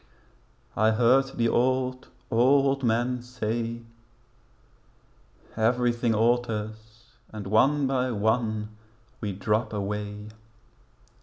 I heard the old, old men say 'Everything alters, And one by one we drop away.'